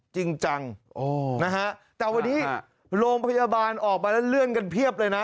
จริงจังนะฮะแต่วันนี้โรงพยาบาลออกมาแล้วเลื่อนกันเพียบเลยนะ